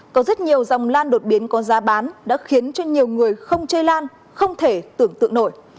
có rất nhiều dòng lan đột biến có giá bán đã khiến cho nhiều người không chơi lan không thể tưởng tượng nổi